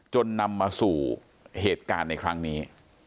นำมาสู่เหตุการณ์ในครั้งนี้